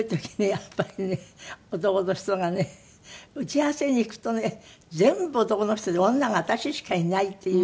やっぱりね男の人がね打ち合わせに行くとね全部男の人で女が私しかいないっていうような。